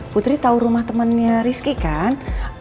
putri tau rumah temennya rizky kan